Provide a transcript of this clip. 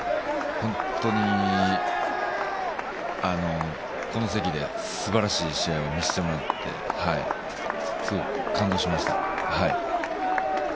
本当にこの席ですばらしい試合を見せてもらって、すごく感動しました。